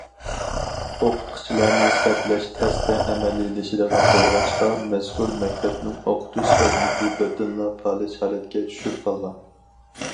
ئوقۇتقۇچىلارنى سەپلەش تەستە ئەمەلىيلىشىدىغان بولغاچقا، مەزكۇر مەكتەپنىڭ ئوقۇتۇش خىزمىتى بىردىنلا پالەچ ھالەتكە چۈشۈپ قالغان.